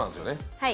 はい。